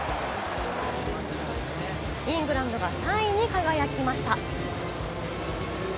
イングランドが３位に輝きました。